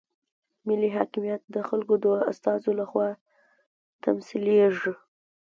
ملي حاکمیت د خلکو د استازو لخوا تمثیلیږي.